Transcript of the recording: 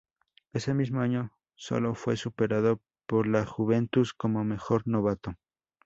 Ese mismo año solo fue superado por la Juventus como mejor novato.